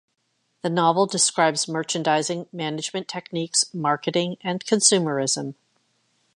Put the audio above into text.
The novel describes merchandising, management techniques, marketing, and consumerism.